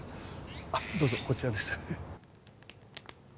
あっどうぞこちらです